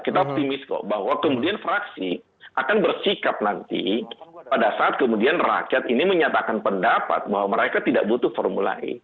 kita optimis kok bahwa kemudian fraksi akan bersikap nanti pada saat kemudian rakyat ini menyatakan pendapat bahwa mereka tidak butuh formula e